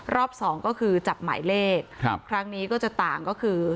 รอบสองก็คือจับหมายเลขครั้งนี้ก็จะต่างก็คือ